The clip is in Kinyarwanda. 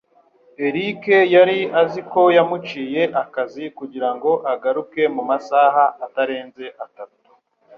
Eric yari azi ko yamuciye akazi kugirango agaruke mu masaha atarenze atatu.